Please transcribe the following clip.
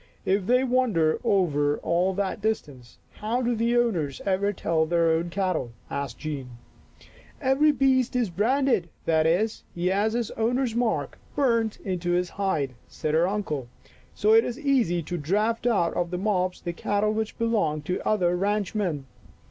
" If they wander over all that distance, how do the owners ever tell their own cattle? " asked Jean. " Lost !" 65 " Every beast is branded, that is, he has his owner's mark burnt into his hide," said her uncle. " So it is easy to draft out of the mobs the cattle which belong to other ranchmen.